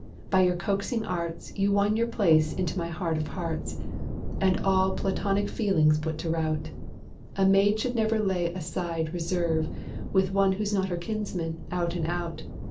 By your coaxing arts, You won your way into my heart of hearts, And all Platonic feelings put to rout. A maid should never lay aside reserve With one who's not her kinsman, out and out.